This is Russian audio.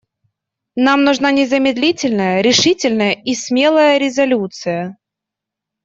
Нам нужна незамедлительная, решительная и смелая резолюция.